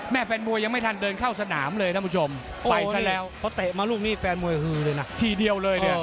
แม่แฟนมวยยังไม่ทันเดินข้าวสนามเลยท่านผู้ชมอยู่ที่เดียวเลยเดี๋ยว